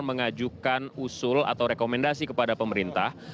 mengajukan usul atau rekomendasi kepada pemerintah